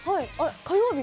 火曜日が。